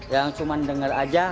yang cuma dengar saja